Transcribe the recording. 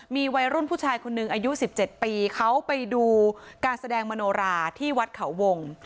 มีวัยรุ่นผู้ชายคนหนึ่งอายุ๑๗ปีเขาไปดูการแสดงมโนราที่วัดเขาวง